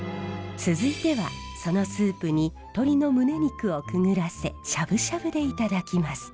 続いてはそのスープに鶏の胸肉をくぐらせしゃぶしゃぶでいただきます。